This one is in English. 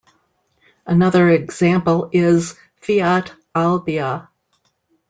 Another example is Fiat Albea.